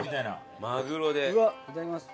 いただきます。